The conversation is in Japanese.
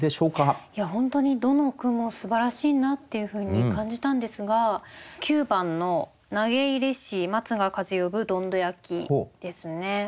いや本当にどの句もすばらしいなっていうふうに感じたんですが９番の「投げ入れし松が風呼ぶどんど焼き」ですね。